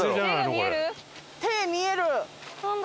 「亭」見える！